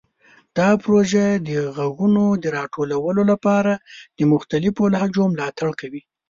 دا پروژه د غږونو د راټولولو لپاره د مختلفو لهجو ملاتړ کوي.